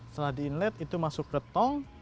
setelah di inlet itu masuk ke tol